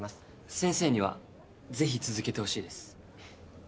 先生にはぜひ続けてほしいです。